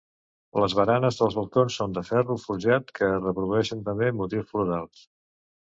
Les baranes dels balcons són de ferro forjat, que reprodueixen també motius florals.